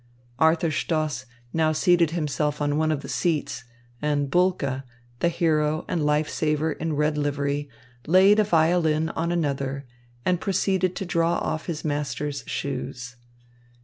Arthur Stoss now seated himself on one of the seats, and Bulke, the hero and life saver in red livery, laid a violin on another and proceeded to draw off his master's shoes.